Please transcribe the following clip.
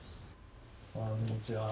こんにちは。